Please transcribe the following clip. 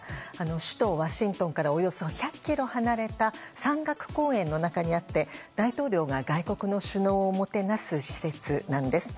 首都ワシントンからおよそ１００ｋｍ離れた山岳公園の中にあって大統領が外国の首脳をもてなす施設なんです。